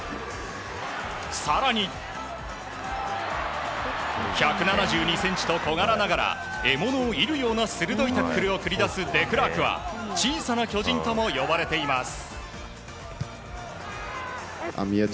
更に、１７２ｃｍと小柄ながら獲物を射るような鋭いタックルを繰り出すデクラークは小さな巨人とも呼ばれています。